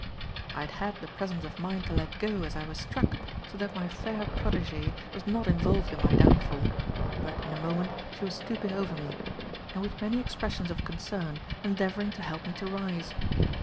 I had had the presence of mind to let go, as I was struck, so that my fair protegee was not involved in my downfall; but in a moment, she was stooping over me, and with many expressions of concern, endeavouring to help me to rise.